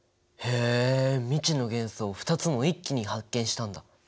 へえ未知の元素を２つも一気に発見したんだ。